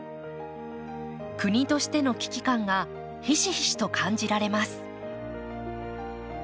国としての危機感がひしひしと感じられます。